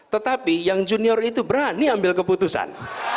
tetapi yang junior itu berani ambil keputusan